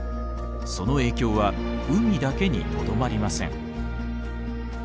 その影響は海だけにとどまりません。